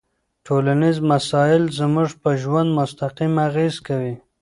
ټولنيز مسایل زموږ په ژوند مستقیم اغېز کوي.